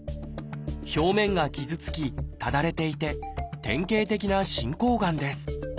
表面が傷つきただれていて典型的な進行がんです